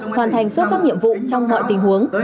hoàn thành xuất sắc nhiệm vụ trong mọi tình huống